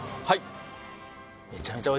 はい